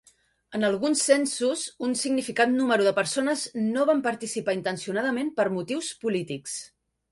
En alguns censos, un significant número de persones no van participar intencionadament per motius polítics.